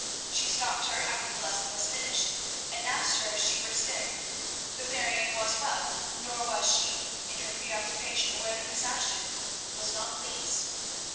She stopped her after the lesson was finished, and asked her if she were sick; but Marion was well, nor was she, in her preoccupation, aware that Miss Ashton was not pleased.